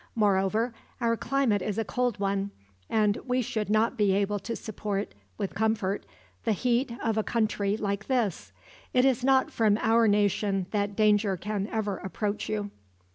Moreover, our climate is a cold one, and we should not be able to support, with comfort, the heat of a country like this. It is not from our nation that danger can ever approach you."